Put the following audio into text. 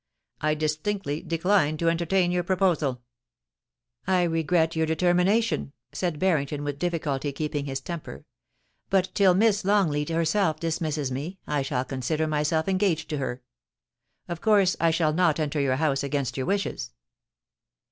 I distinctly decline to entertain your proposal' BARRINGTON A REJECTED SUITOR. 253 *I regret your determination,' said Harrington, with difficulty keeping his temper; 'but till Miss Longleat herself dismisses me I shall consider myself engaged to her. Of course I shall not enter your house against your wishes.'